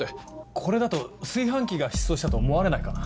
これだと炊飯器が失踪したと思われないかな？